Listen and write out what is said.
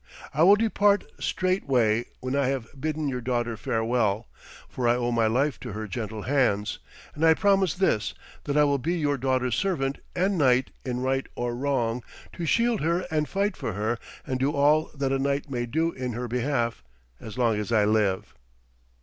I will depart straightway when I have bidden your daughter farewell, for I owe my life to her gentle hands; and I promise this, that I will be your daughter's servant and knight in right or wrong, to shield her and fight for her, and do all that a knight may do in her behalf, as long as I live.'